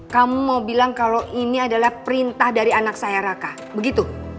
kamu mau bilang kalau ini adalah perintah dari anak saya raka begitu